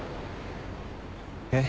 えっ？